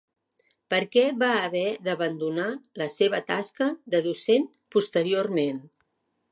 Per què va haver d'abandonar la seva tasca de docent posteriorment?